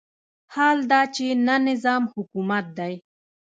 حال دا چې نه نظام حکومت دی.